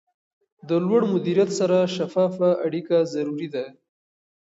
د لوړ مدیریت سره شفافه اړیکه ضروري ده.